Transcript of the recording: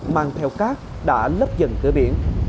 mang theo cát đã lấp dần cửa biển